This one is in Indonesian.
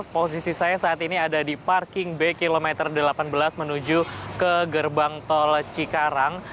posisi saya saat ini ada di parking bay kilometer delapan belas menuju ke gerbang tol cikarang